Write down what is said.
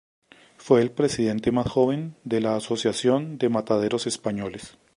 Fue el presidente más joven de la Asociación de Mataderos españoles.